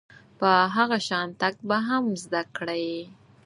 په هغه شان تګ به هم زده کړئ .